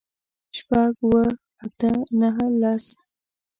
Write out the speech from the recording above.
شپږ، اووه، اته، نهه، لس